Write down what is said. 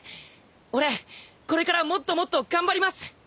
俺これからもっともっと頑張ります！